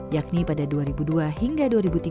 yakni pada dua ribu dua hingga dua ribu tiga